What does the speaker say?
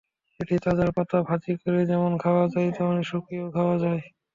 এটির তাজা পাতা ভাজি করে যেমন খাওয়া যায়, তেমনি শুকিয়েও খাওয়া যায়।